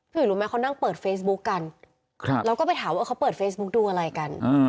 หุยรู้ไหมเขานั่งเปิดเฟซบุ๊กกันแล้วก็ไปถามว่าเขาเปิดเฟซบุ๊กดูอะไรกัน